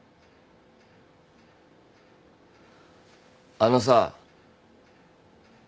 あのさ。